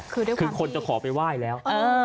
คือคนจะขอไปไหว้แล้ว